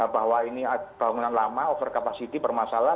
bahwa ini bangunan lama over capacity bermasalah